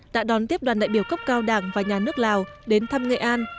đã đón tiếp đoàn đại biểu cấp cao đảng và nhà nước lào đến thăm nghệ an